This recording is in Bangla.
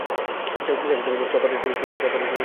চপার রেডি রাখুন।